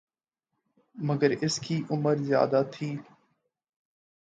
مگر اس کی عمر زیادہ تھی